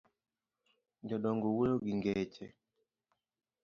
Jodongo wuoyo gi ngeche.